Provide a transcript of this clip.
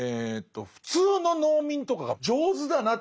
普通の農民とかが「上手だな」